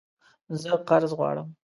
زه قرض غواړم